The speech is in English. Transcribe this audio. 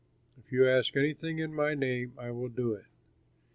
If you ask anything in my name, I will do it.